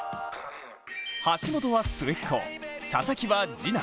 橋本は末っ子、佐々木は次男。